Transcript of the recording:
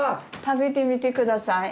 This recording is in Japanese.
食べてみて下さい。